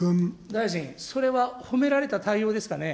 大臣、それは褒められた対応ですかね。